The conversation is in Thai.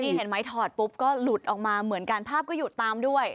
นี่เห็นไหมถอดปุ๊บก็หลุดออกมาเหมือนกันภาพก็หยุดตามด้วย